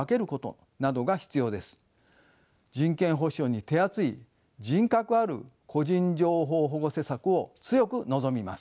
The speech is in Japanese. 人権保障に手厚い品格ある個人情報保護施策を強く望みます。